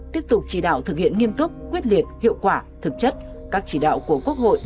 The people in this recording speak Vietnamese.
tiếp tục chỉ đạo thực hiện nghiêm túc quyết liệt hiệu quả thực chất các chỉ đạo của quốc hội